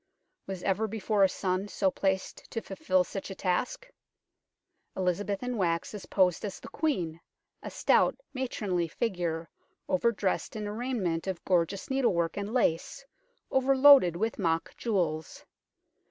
Was ever before a son so placed to fulfil such a task ? Elizabeth in wax is posed as the Queen, a stout, matronly figure, over dressed in a raiment of gorgeous needlework and lace, over loaded with mock jewels.